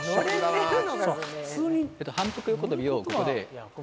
反復横跳びをここで。